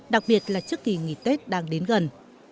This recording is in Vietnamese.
đặc biệt là trước kỳ nghỉ tết đang đến gần